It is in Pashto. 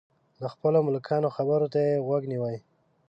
د خپلو ملکانو خبرو ته یې غوږ نیوی.